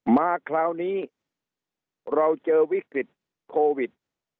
มาคราวนี้เราเจอวิกฤตโควิด